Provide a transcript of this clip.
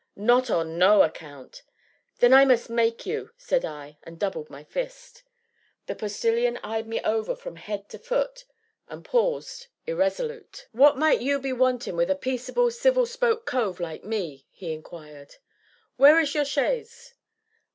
"Not on no account!" "Then I must make you," said I, and doubled my fists. The Postilion eyed me over from head to foot, and paused, irresolute. "What might you be wanting with a peaceable, civil spoke cove like me?" he inquired. "Where is your chaise?"